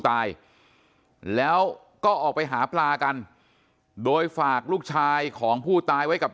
ตายแล้วก็ออกไปหาปลากันโดยฝากลูกชายของผู้ตายไว้กับ